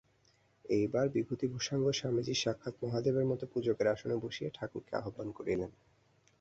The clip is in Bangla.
এইবার বিভূতিভূষাঙ্গ স্বামীজী সাক্ষাৎ মহাদেবের মত পূজকের আসনে বসিয়া ঠাকুরকে আহ্বান করিলেন।